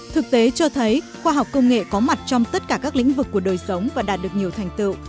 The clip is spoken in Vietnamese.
thực tế cho thấy khoa học công nghệ có mặt trong tất cả các lĩnh vực của đời sống và đạt được nhiều thành tựu